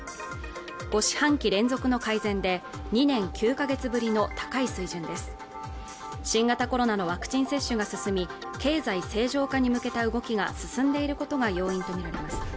５四半期連続の改善で２年９か月ぶりの高い水準です新型コロナのワクチン接種が進み経済正常化に向けた動きが進んでいることが要因と見られます